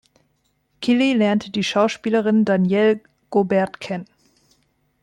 Killy lernte die Schauspielerin Danielle Gaubert kennen.